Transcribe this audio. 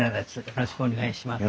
よろしくお願いします。